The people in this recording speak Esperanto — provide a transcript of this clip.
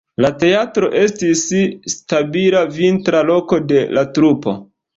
La teatro estis stabila vintra loko de la trupo.